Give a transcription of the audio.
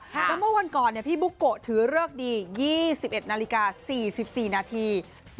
แล้วเมื่อวันก่อนพี่บุ๊กโกะถือเลิกดี๒๑นาฬิกา๔๔นาที